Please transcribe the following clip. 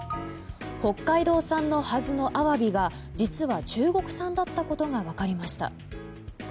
北海道産のはずのアワビが実は、中国産だったことが分かりました。